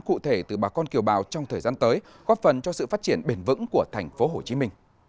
cụ thể từ bà con kiều bào trong thời gian tới góp phần cho sự phát triển bền vững của tp hcm